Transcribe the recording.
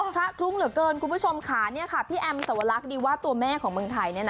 พระคลุ้งเหลือเกินคุณผู้ชมค่ะพี่แอมสวรรคดีว่าตัวแม่ของเมืองไทยเนี่ยนะ